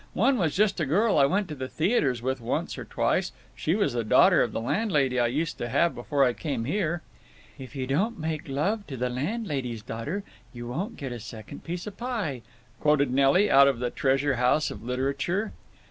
One was just a girl I went to theaters with once or twice—she was the daughter of the landlady I used to have before I came here." "If you don't make love to the landlady's daughter You won't get a second piece of pie!" quoted Nelly, out of the treasure house of literature.